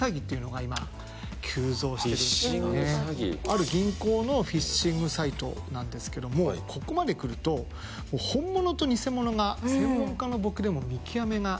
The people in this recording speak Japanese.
ある銀行のフィッシングサイトなんですけどもここまでくると本物と偽物が専門家の僕でも見極めが。